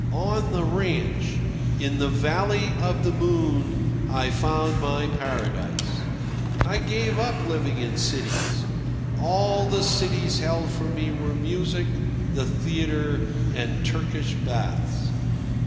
On the ranch, in the Valley of the Moon, I found my paradise. I gave up living in cities. All the cities held for me were music, the theatre, and Turkish baths.